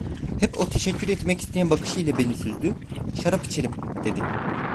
Hep o teşekkür etmek isteyen bakışı ile beni süzdü: "Şarap içerim…" dedi.